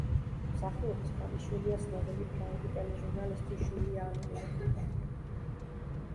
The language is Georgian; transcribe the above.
მსახიობის ქალიშვილია ცნობილი ფრანგი ტელეჟურნალისტი ჟული ანდრიუ.